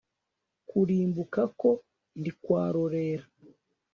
kurimbuka ko ntikwarorera